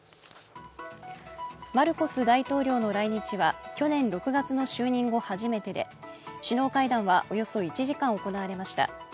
マルコス大統領の来日は去年６月の就任後、初めてで首脳会談はおよそ１時間行われました。